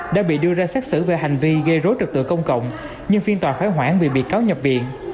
đã bị đưa ra xét xử về hành vi gây rối trật tự công cộng nhưng phiên tòa hoãn vì bị cáo nhập viện